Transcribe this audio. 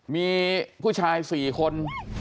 มีผู้ชาย๔คน